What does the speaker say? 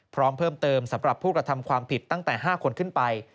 พร้อมเพิ่มเติมสำหรับผู้กระทำความผิดตั้งแต่๕คนขึ้นไป